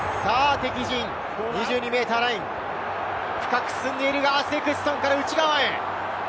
２２ｍライン、深く進んでいるが、セクストンから内側へ。